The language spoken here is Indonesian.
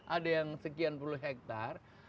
ada yang sekian puluh hektare